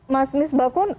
mas mis bakun